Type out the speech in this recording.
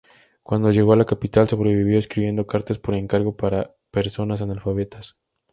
Cuando llegó a la capital sobrevivió escribiendo cartas por encargo para personas analfabetas.